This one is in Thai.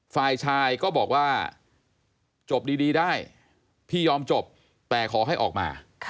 ฝ่ายชายก็บอกว่าจบดีได้พี่ยอมจบแต่ขอให้ออกมา